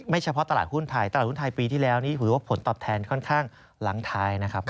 ไม่เฉพาะตลาดหุ้นไทยตลาดหุ้นไทยปีที่แล้วนี่ผลตอบแทนค่อนข้างล้างไทยนะครับ